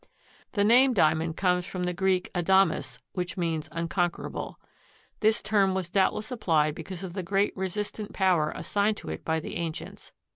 The name Diamond comes from the Greek adamas, which means unconquerable. This term was doubtless applied because of the great resistant power assigned to it by the ancients.